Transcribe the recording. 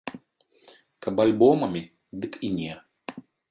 Каб альбомамі, дык і не.